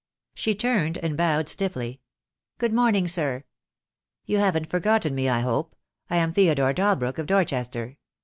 She turned and bowed stiffly. "Good morning, sir." "You haven't forgotten me, I hope. I am Theodore Dalbrook, of Dorchester.